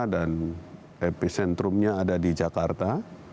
epicentrumnya ada di jakarta